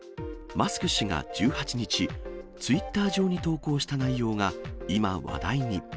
マスク氏が１８日、ツイッター上に投稿した内容が、今、話題に。